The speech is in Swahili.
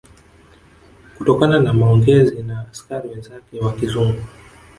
Kutokana na maongezi na askari wenzake wa kizungu